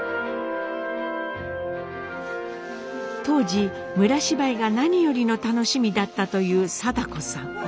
当時村芝居が何よりの楽しみだったというサダ子さん。